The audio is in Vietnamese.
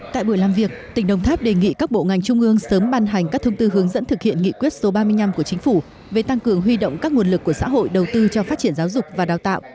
tại buổi làm việc tỉnh đồng tháp đề nghị các bộ ngành trung ương sớm ban hành các thông tư hướng dẫn thực hiện nghị quyết số ba mươi năm của chính phủ về tăng cường huy động các nguồn lực của xã hội đầu tư cho phát triển giáo dục và đào tạo